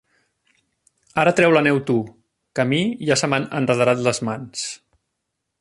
Ara treu la neu tu, que a mi ja se m'han enrederat les mans.